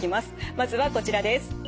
まずはこちらです。